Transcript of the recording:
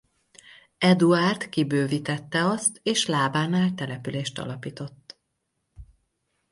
Eduárd kibővítette azt és lábánál települést alapított.